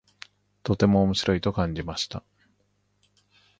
とても面白いと感じました。